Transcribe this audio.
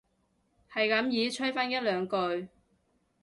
係咁依吹返一兩句